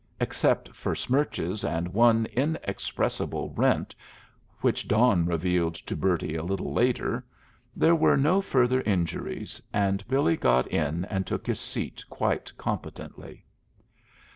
Except for smirches and one inexpressible rent which dawn revealed to Bertie a little later, there were no further injuries, and Billy got in and took his seat quite competently.